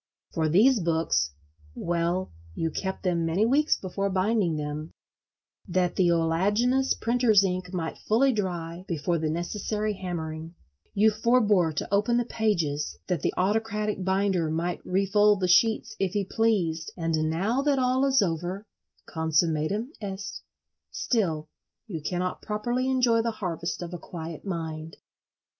For these books—well, you kept them many weeks before binding them, that the oleaginous printer's ink might fully dry before the necessary hammering; you forbore to open the pages, that the autocratic binder might refold the sheets if he pleased; and now that all is over—consummatum est—still you cannot properly enjoy the harvest of a quiet mind.